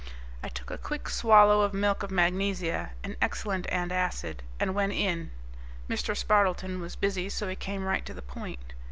I took a quick swallow of milk of magnesia, an excellent antacid, and went in. Mr. Spardleton was busy so he came right to the point.